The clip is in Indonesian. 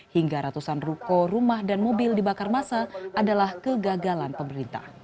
hingga ratusan ruko rumah dan mobil dibakar masa adalah kegagalan pemerintah